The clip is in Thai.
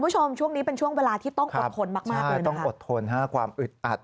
ตรงนี้เป็นช่วงเวลาที่ต้องอดทนมากกว่าความอึดอัด